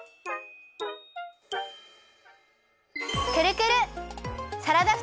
くるくる！